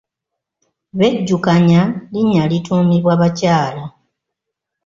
Bejjukanya linnya lituumibwa bakyala.